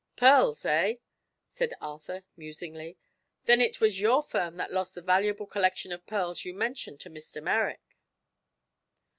"Pearls, eh?" said Arthur, musingly. "Then it was your firm that lost the valuable collection of pearls you mentioned to Mr. Merrick?"